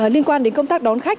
liên quan đến công tác đón khách